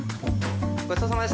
・ごちそうさまでした。